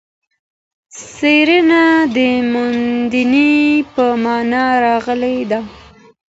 څېړنه د موندنې په مانا راغلې ده.